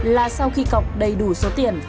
là sau khi cọc đầy đủ số tiền